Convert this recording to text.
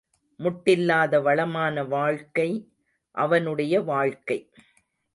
முட்டில்லாத வளமான வாழ்க்கை அவனுடைய வாழ்க்கை.